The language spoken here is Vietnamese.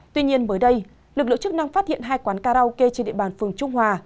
tuy nhiên mới đây lực lượng chức năng phát hiện hai quán karaoke trên địa bàn phường trung hòa